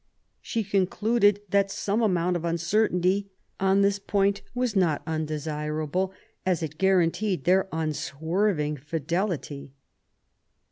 She concluded that some amount of uncertainty on this point was not undesirable, as it guaranteed their unswerving fidelity.